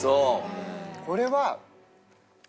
これは。